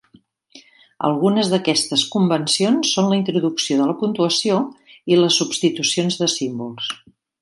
Algunes d'aquestes convencions són la introducció de la puntuació i les substitucions de símbols.